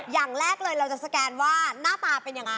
อย่างแรกเลยเราจะสแกนว่าหน้าตาเป็นยังไง